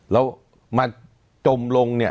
แล้วมาจมลงเนี่ย